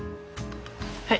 はい。